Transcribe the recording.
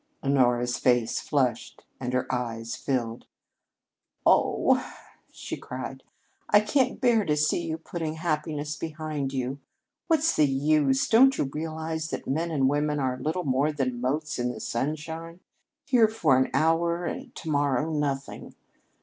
Honora's face flushed and her eyes filled. "Oh," she cried, "I can't bear to see you putting happiness behind you. What's the use? Don't you realize that men and women are little more than motes in the sunshine, here for an hour and to morrow nothing!